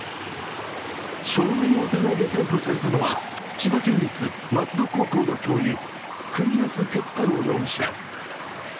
傷害の疑いで逮捕されたのは千葉県立松戸高校の教諭、国安鉄太郎容疑者。